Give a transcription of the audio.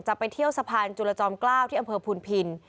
จะไปเที่ยวสะพานจุลจอมเกล้าที่อำเภอพุนพิน